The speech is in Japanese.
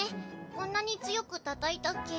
こんなに強くたたいたっけ？